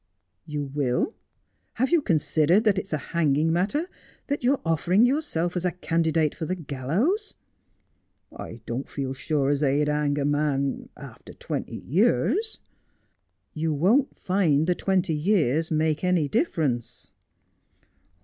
' You will 1 Have you considered that it's a hanging matter 1 That you are offering yourself as a candidate for the gallows 1 '' I don't feel sure as they'd hang a man — after twenty years.' ' You won't find the twenty years make any difference.'